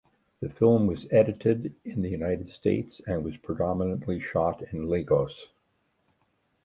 The film was edited in the United States and was predominantly shot in Lagos.